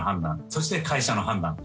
そして、会社の判断。